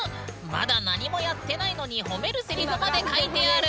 まだ何もやってないのに褒めるセリフまで書いてある！